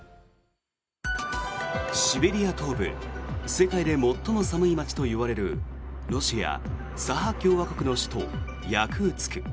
シベリア東部世界で最も寒い街といわれるロシア・サハ共和国の首都ヤクーツク。